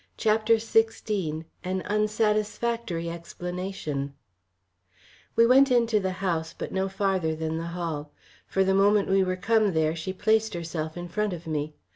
CHAPTER XVI AN UNSATISFACTORY EXPLANATION We went into the house, but no farther than the hall. For the moment we were come there she placed herself in front of me.